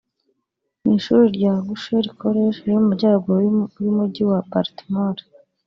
mu ishuri rya Goucher College riri mu Majyaruguru y’Umujyi wa Baltimore